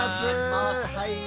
はい。